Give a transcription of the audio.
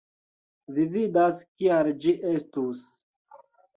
Vi vidas kial ĝi estus